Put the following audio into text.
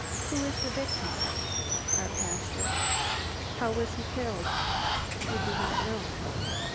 "Who is the victim?" "Our pastor." "How was he killed?" "We do not know."